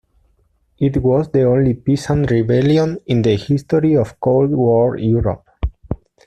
It was the only peasant rebellion in the history of Cold War Europe.